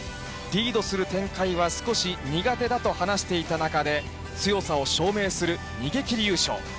リードする展開は少し苦手だと話していた中で、強さを証明する逃げ切り優勝。